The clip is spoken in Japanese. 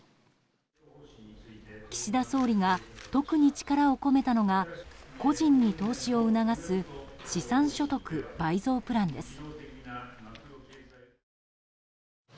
岸田総理が特に力を込めたのが個人に投資を促す資産所得倍増プランです。